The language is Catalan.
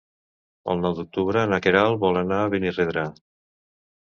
El nou d'octubre na Queralt vol anar a Benirredrà.